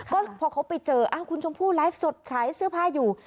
ก็พอเขาไปเจอคุณชมพู่ไลฟ์สดขายเสื้อผ้าอยู่